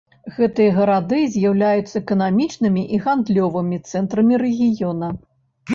Гэтыя гарады з'яўляюцца эканамічнымі і гандлёвымі цэнтрамі рэгіёна.